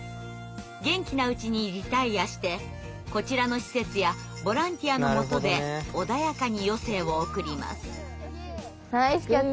元気なうちにリタイアしてこちらの施設やボランティアのもとで穏やかに余生を送ります。